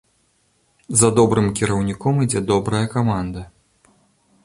За добрым кіраўніком ідзе добрая каманда!